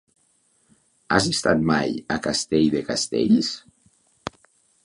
Has estat mai a Castell de Castells?